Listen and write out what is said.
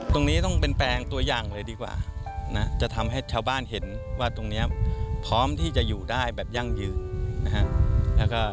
ตรงนี้ต้องเป็นแปลงตัวอย่างเลยดีกว่านะจะทำให้ชาวบ้านเห็นว่าตรงนี้พร้อมที่จะอยู่ได้แบบยั่งยืนนะฮะ